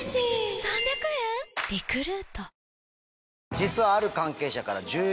実は。